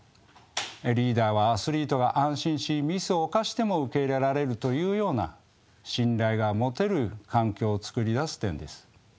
リーダーはアスリートが安心しミスを犯しても受け入れられるというような信頼が持てる環境を作り出す点です。